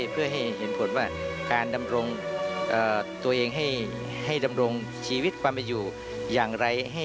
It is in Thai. เพื่อให้เห็นผลว่าการดำรงตัวเองให้ดำรงชีวิตความเป็นอยู่อย่างไร